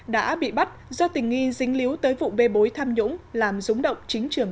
đã bị bắt do tình nghi dính líu tới vụ bê bối tham nhũng làm rúng động chính trường